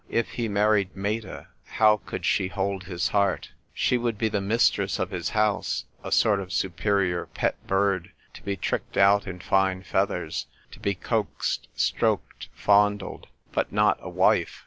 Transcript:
If he married Meta, how could she hold his heart ? She would be the mistress of his house, a sort of superior pet bird, to be tricked out in fine feathers, to be coaxed, stroked, fondled ; but not a wife.